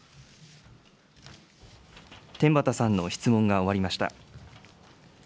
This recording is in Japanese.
天畠さんの質問が終わりました。